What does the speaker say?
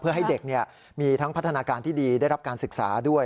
เพื่อให้เด็กมีทั้งพัฒนาการที่ดีได้รับการศึกษาด้วย